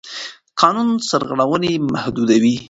قانون سرغړونې محدودوي.